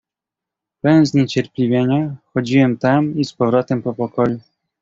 "Pełen zniecierpliwienia chodziłem tam i z powrotem po pokoju."